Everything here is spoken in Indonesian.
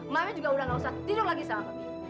mami juga udah gak usah tidur lagi sama mami